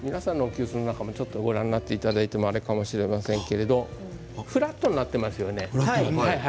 ご覧になっていただいてあれかもしれませんけれどフラットになっていますよね。